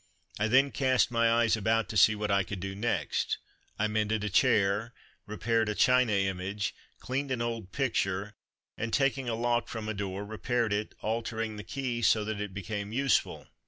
I then cast my eyes about to see what I could do next. I mended a chair, repaired a china image, cleaned an old picture, and taking a lock from a door repaired it, altering the key so that it became useful.